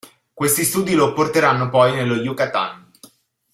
Questi studi lo porteranno poi nello Yucatan.